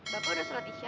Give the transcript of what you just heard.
bapak sudah sholat isya